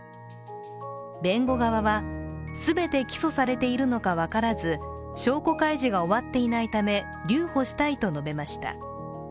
弁護側は、全て起訴されているのか分からず証拠開示が終わっていないため、留保したいと述べました。